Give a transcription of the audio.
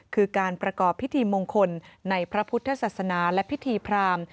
คือการประกอบพิธีมงคลในพระพุทธศาสนาและพิธีพราม